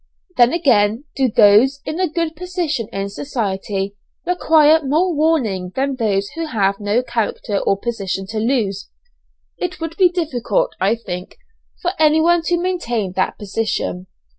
Then again, do those in a good position in society require more warning than those who have no character or position to lose? It would be difficult, I think, for anyone to maintain that position!